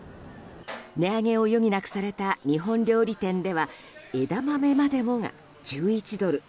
値上げを余儀なくされた日本料理店では枝豆までもが１１ドル